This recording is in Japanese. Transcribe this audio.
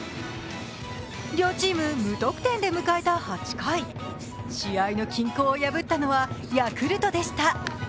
両チーム無得点で迎えた８回、試合の均衡を破ったのはヤクルトでした。